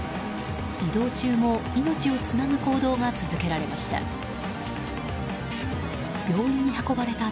移動中も命をつなぐ行動が続けられました。